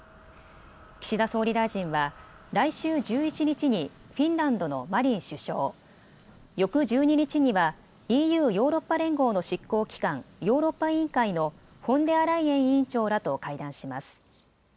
岸田総理大臣は、来週１１日にフィンランドのマリン首相、翌１２日には、ＥＵ・ヨーロッパ連合の執行機関、ヨーロッパ委員会のフォンデアライエン委員長らと会談します。